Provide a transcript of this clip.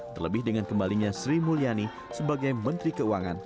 terlebih dengan kembalinya sri mulyani sebagai menteri keuangan